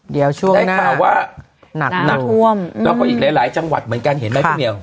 เดี๋ยวช่วงได้ข่าวว่าหนักหนักท่วมแล้วก็อีกหลายจังหวัดเหมือนกันเห็นไหมพี่เมียว